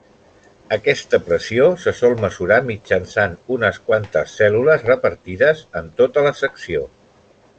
Aquesta pressió se sol mesurar mitjançant unes quantes cèl·lules repartides en tota la secció.